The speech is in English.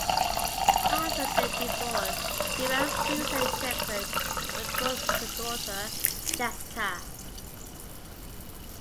After their divorce, he married Susan Shepard, with whom he has a daughter, Jessica.